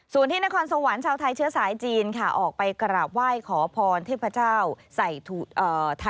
ส่วนที่นครสงหวัญชาวไทยเชื้อสายจีนค้าออกไปกระวับไหว้ขอพรเทพเจ้าไถยสวยเอียเป็นเทพเจ้าคุ้มครองดวงชะตาน